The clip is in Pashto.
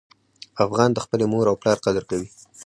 افغان د خپلې مور او پلار قدر کوي.